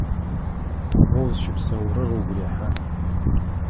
О узыщыпсэурэр угу рехьа?